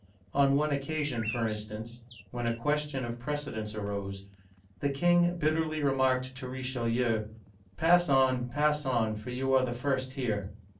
On one occasion, for instance, when a question of precedence arose, the king bitterly remarked to Richelieu, Pass on, pass on, for you are the first here